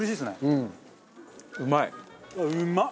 うまっ！